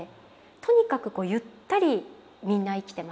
とにかくゆったりみんな生きてましたね。